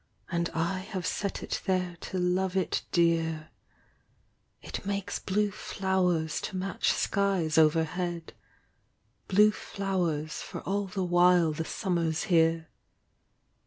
And I have set it there to love it dear ; It makes blue flowers to match skies overhead, Blue flowers for all the while the summer's here.